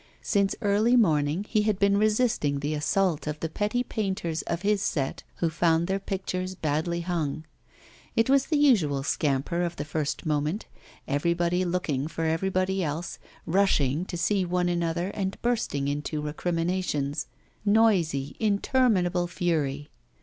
Since early morning he had been resisting the assault of the petty painters of his set who found their pictures badly hung. It was the usual scamper of the first moment, everybody looking for everybody else, rushing to see one another and bursting into recriminations noisy, interminable fury.